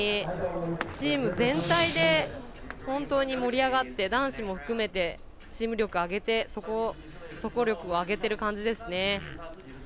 チーム全体で、盛り上がって男子も含めてチーム力上げて総合力上げている感じですね。